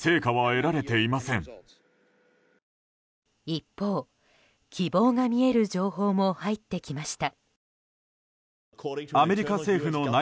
一方、希望が見える情報も入ってきました。